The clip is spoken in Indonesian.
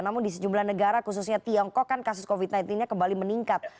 namun di sejumlah negara khususnya tiongkok kan kasus covid sembilan belas nya kembali meningkat